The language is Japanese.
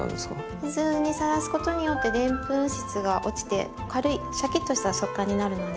水にさらすことによってでんぷん質が落ちて軽いシャキッとした食感になるので。